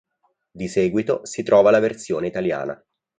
Di seguito si trova la versione italiana.